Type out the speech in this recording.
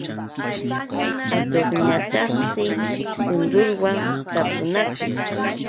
Atuqñataqshi kundurwan tapunakuq.